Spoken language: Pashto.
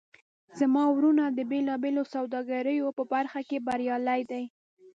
زما وروڼه د بیلابیلو سوداګریو په برخه کې بریالي دي